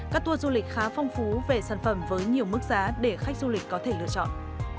các tour du lịch khá phong phú về sản phẩm với nhiều mức giá để khách du lịch có thể lựa chọn